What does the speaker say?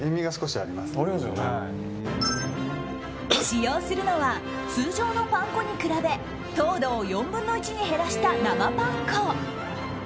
使用するのは通常のパン粉に比べ糖度を４分の１に減らした生パン粉。